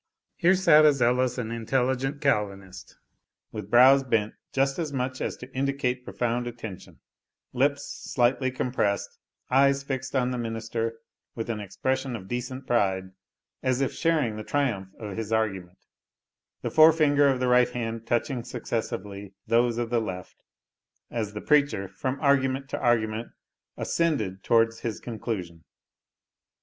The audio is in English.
Here sat a zealous and intelligent Calvinist, with brows bent just as much as to indicate profound attention; lips slightly compressed; eyes fixed on the minister with an expression of decent pride, as if sharing the triumph of his argument; the forefinger of the right hand touching successively those of the left, as the preacher, from argument to argument, ascended towards his conclusion.